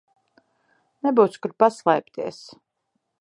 Nebūs kur paslēpties.